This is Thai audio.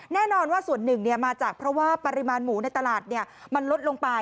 แน่นอนว่าส่วนหนึ่งมาจากเพราะว่าปริมาณหมูในตลาดมันลดลงไป